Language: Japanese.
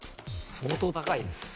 相当高いです。